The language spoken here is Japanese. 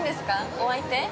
お相手？